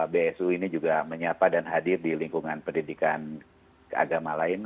bsu ini juga menyapa dan hadir di lingkungan pendidikan agama lain